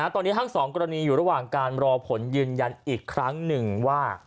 ตอนนี้ทั้งสองกรณีอยู่ระหว่างการรอผลยืนยันอีกครั้งหนึ่งว่า